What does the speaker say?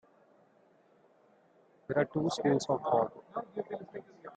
There are two schools of thought.